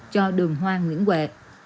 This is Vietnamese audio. cho đường hoa nguyễn huệ